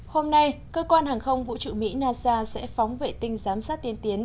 hôm nay cơ quan hàng không vũ trụ mỹ nasa sẽ phóng vệ tinh giám sát tiên tiến